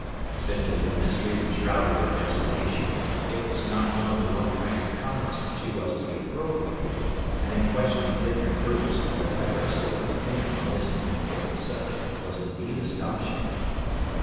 Simply the mystery which shrouded her destination; it was not known to what kind of commerce she was to be appropriated, and in questioning different groups the diversity of opinion on this important subject was indeed astonishing.